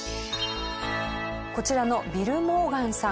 こちらのビル・モーガンさん